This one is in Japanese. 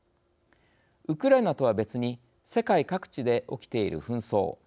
ウクライナとは別に世界各地で起きている紛争。